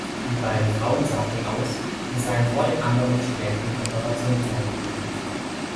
Die beiden Frauen sagten aus, sie seien vor den anderen Studenten im Operationssaal gewesen.